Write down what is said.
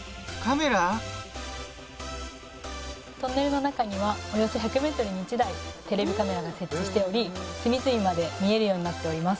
トンネルの中にはおよそ１００メートルに１台テレビカメラが設置しており隅々まで見えるようになっております。